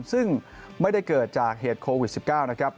ซึ่งไม่ได้เกิดจากเหตุโควิด๑๙นะครับ